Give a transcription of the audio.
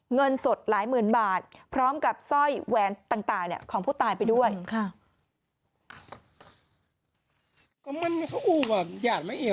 เงินสดหลายหมื่นบาทพร้อมกับสร้อยแวนต่างต่างเนี่ย